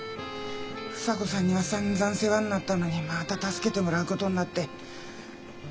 房子さんにはさんざん世話になったのにまた助けてもらうことになって。